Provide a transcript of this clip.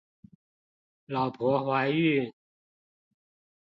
老婆懷孕